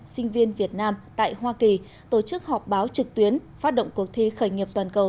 sinh viên việt nam tại hoa kỳ tổ chức họp báo trực tuyến phát động cuộc thi khởi nghiệp toàn cầu